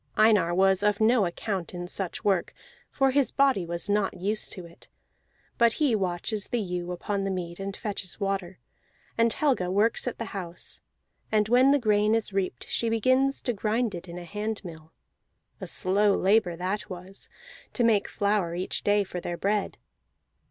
Einar was of no account in such work, for his body was not used to it; but he watches the ewe upon the mead, and fetches water; and Helga works at the house, and when the grain is reaped she begins to grind it in a handmill; a slow labor that was, to make flour each day for their bread.